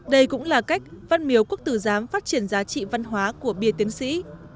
đây cũng là cách văn miếu quốc tử giám phát triển giá trị văn hóa của bia tiến sĩ